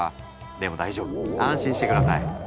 でも大丈夫安心して下さい。